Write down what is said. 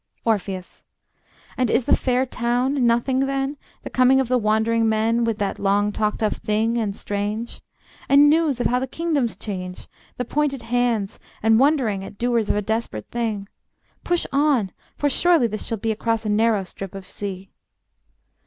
Orpheus: And is the fair town nothing then, The coming of the wandering men With that long talked of thing and strange. And news of how the kingdoms change, The pointed hands, and wondering At doers of a desperate thing? Push on, for surely this shall be Across a narrow strip of sea.